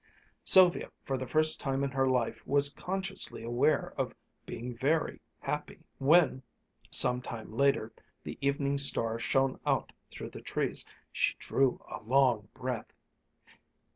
Sylvia for the first time in her life was consciously aware of being very happy. When, some time later, the evening star shone out through the trees, she drew a long breath.